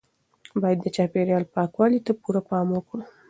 باید د چاپیریال پاکوالي ته پوره پام وکړو.